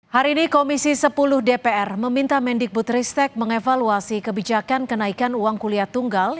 hari ini komisi sepuluh dpr meminta mendikbud ristek mengevaluasi kebijakan kenaikan uang kuliah tunggal